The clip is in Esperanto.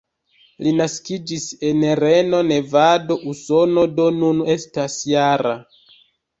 Li naskiĝis en Reno, Nevado, Usono, do nun estas -jara.